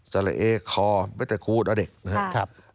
ละเอคอไม่แต่คูดเอาเด็กนะครับ